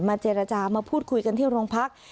เจรจามาพูดคุยกันที่โรงพัก